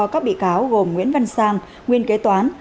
các bị cáo gồm nguyễn văn sang nguyên kế toán